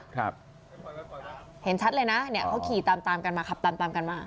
ครับเห็นชัดเลยนะเนี่ยเขาขี่ตามตามกันมาขับตามตามกันมา